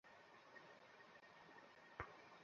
আমি ভেবে দেখবো।